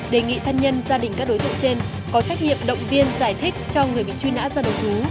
đề nghị thân nhân gia đình các đối tượng trên có trách nhiệm động viên giải thích cho người bị truy nã ra đầu thú